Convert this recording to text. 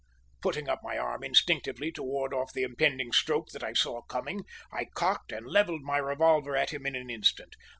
Putting up my arm instinctively to ward off the impending stroke that I saw coming, I cocked and levelled my revolver at him in an instant.